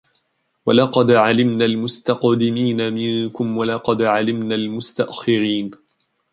ولقد علمنا المستقدمين منكم ولقد علمنا المستأخرين